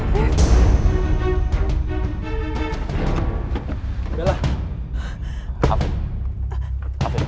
siapa sih dia